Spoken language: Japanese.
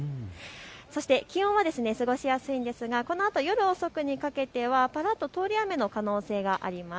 そして気温も過ごしやすいですがこのあと夜遅くにかけてはパラッと通り雨の可能性があります。